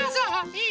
いい？